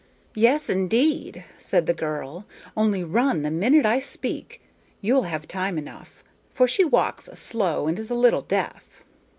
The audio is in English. "Yes, indeed," said the girl; "only run the minute I speak; you'll have time enough, for she walks slow and is a little deaf."